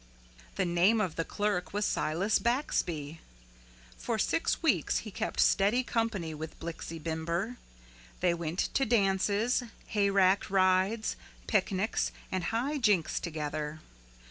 The name of the clerk was Silas Baxby. For six weeks he kept steady company with Blixie Bimber. They went to dances, hayrack rides, picnics and high jinks together.